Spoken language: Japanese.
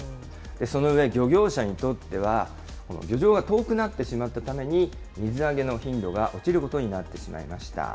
その上、漁業者にとっては、漁場が遠くなってしまったために、水揚げの頻度が落ちることになってしまいました。